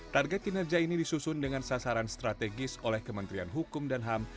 target kinerja ini disusun dengan sasaran strategis oleh kementerian hukum dan ham